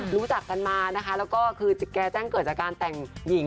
รู้จักกันมานะคะแล้วก็คือแกแจ้งเกิดจากการแต่งหญิง